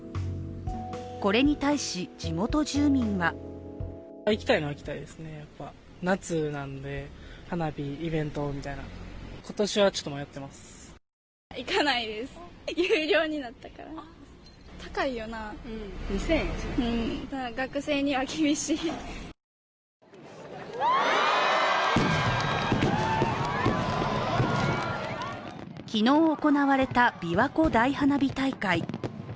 これに対し地元住民は昨日行われたびわ湖大花火大会。